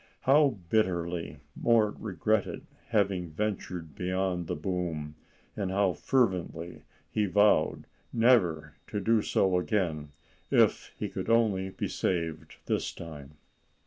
How bitterly Mort regretted having ventured beyond the boom, and how fervently he vowed never to do so again if he could only be saved this time!